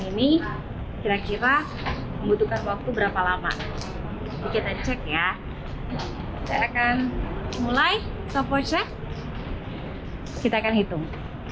ini kira kira membutuhkan waktu berapa lama kita cek ya saya akan mulai topo check kita akan hitung